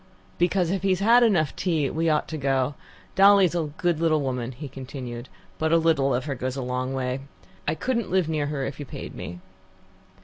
"Because, if he has had enough tea, we ought to go. Dolly's a good little woman," he continued, "but a little of her goes a long way. I couldn't live near her if you paid me."